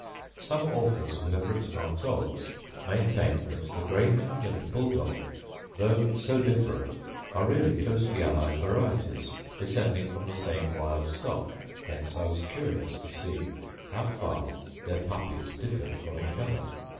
Some authors who have written on Dogs maintain that the greyhound and bull dog, though so different, are really closely allied varieties, descended from the same wild stock, hence I was curious to see how far their puppies differed from each other.